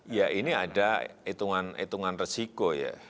ya ini ada hitungan hitungan resiko ya